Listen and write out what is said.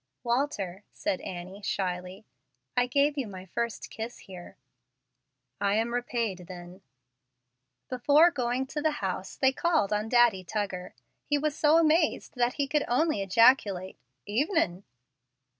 "Walter," said Annie, shyly, "I gave you my first kiss here." "I am repaid then." Before going to the house, they called on Daddy Tuggar. He was so amazed that he could only ejaculate, "Evenin'."